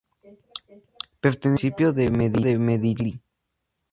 Pertenece al municipio de Medinaceli.